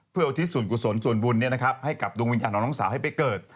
เพื่ออุทิศส่วนกุศลส่วนบุญให้กับดวงวิญญาณของน้องสาวให้ไปเกิด